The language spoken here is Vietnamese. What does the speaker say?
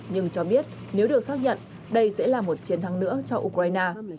nhưng cho biết nếu được xác nhận đây sẽ là một chiến thắng nữa cho ukraine